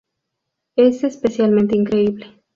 Es simplemente increíble".